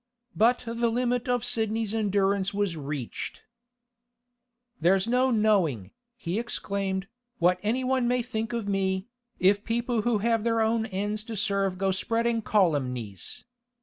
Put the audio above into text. But the limit of Sidney's endurance was reached. 'There's no knowing,' he exclaimed, 'what anyone may think of me, if people who have their own ends to serve go spreading calumnies.